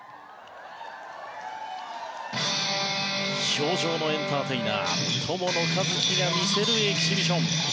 氷上のエンターテイナー友野一希が見せるエキシビション。